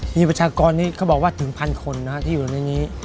มีประชากรนี้เขาบอกว่าถึงพันคนที่อยู่ในนี้